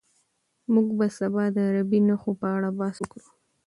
موږ به سبا د عربي نښو په اړه بحث وکړو.